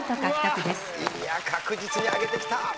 いやあ確実に上げてきた。